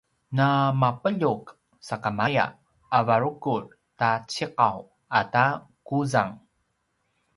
na mapeljuq sakamaya a varukur ta ciqaw ata quzang